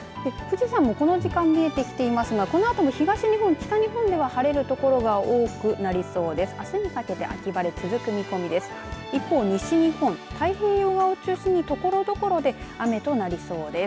富士山、この時間見えてきていますがこのあと東日本、北日本では晴れる所が多くなりそうです。